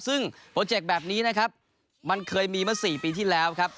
ซึ่งโปรเจกต์แบบนี้นะครับมันเคยมีเมื่อ๔ปีที่แล้วครับ